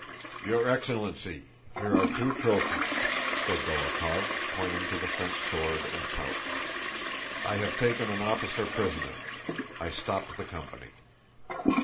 "Your excellency, here are two trophies," said Dólokhov, pointing to the French sword and pouch. "I have taken an officer prisoner. I stopped the company."